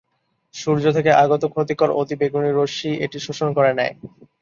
সূর্য থেকে আগত ক্ষতিকর অতিবেগুনী রশ্মি এটি শোষণ করে নেয়।